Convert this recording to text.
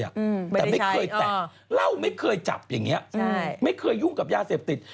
แต่ไม่เคยแตกเราไม่เคยจับอย่างนี้ไม่เคยยุ่งกับยาเสพติด